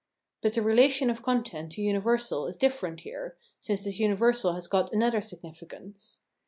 But the relation of content to universal is different here, since this universal has got another significance.